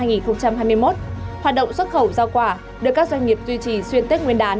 hoạt động xuất khẩu giao quả được các doanh nghiệp duy trì xuyên tết nguyên đán